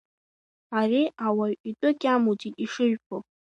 Ари ауаҩ итәык иамуӡеит ишыжәбо.